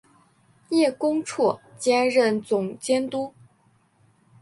叶恭绰兼任总监督。